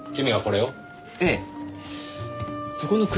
ええ。